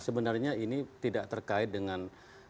sebenarnya ini tidak terkait dengan